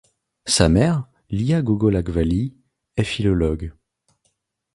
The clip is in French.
Sa mère, Lia Gogolachvili, est philologue.